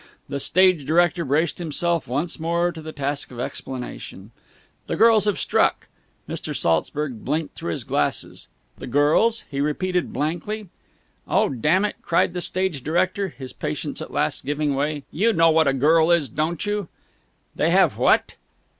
The stage director braced himself once more to the task of explanation. "The girls have struck!" Mr. Saltzburg blinked through his glasses. "The girls?" he repeated blankly. "Oh, damn it!" cried the stage director, his patience at last giving way. "You know what a girl is, don't you?" "They have what?"